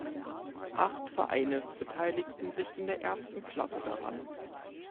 Acht Vereine beteiligten sich in der Ersten Klasse daran.